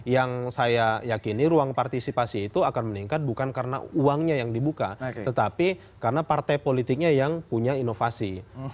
yang saya yakini ruang partisipasi itu akan meningkat bukan karena uangnya yang dibuka tetapi karena partai politiknya yang punya inovasi